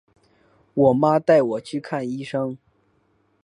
我妈带我去看医生